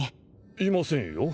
いませんよ。